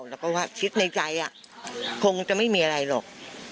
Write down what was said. แล้วก็ว่าคิดในใจคงจะไม่มีอะไรหรอก